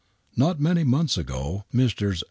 K^ot many months ago Messrs.